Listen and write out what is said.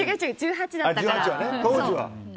１８だったから。